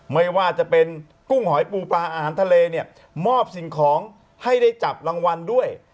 ไม่ว่าจะเป็นกุ้งหอยปูปลาอาหารทะเลเนี่ยมอบสิ่งของให้ได้จับรางวัลด้วย